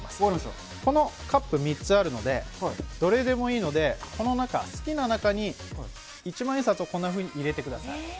このカップ３つあるので、どれでもいいので、この中、好きな中に、一万円札をこんなふうに入れてください。